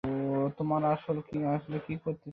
তোমরা আসলে কী করতে চাচ্ছো?